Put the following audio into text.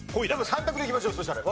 ３択でいきましょうそしたら。